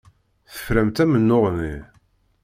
Teframt amennuɣ-nni.